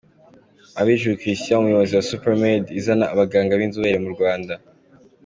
Rgavan na Abijuru Christian umuyobozi wa SuperMed izana abaganga b'inzobere mu Rwanda.